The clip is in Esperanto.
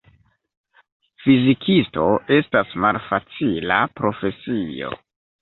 Fizikisto estas malfacila profesio.